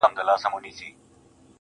• خو له دې بې شرفۍ سره په جنګ یم.